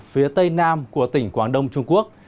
phía tây nam của tỉnh quảng đông trung quốc